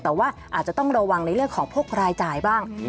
แต่ว่าอาจจะต้องระวังในเรื่องของพวกรายจ่ายบ้าง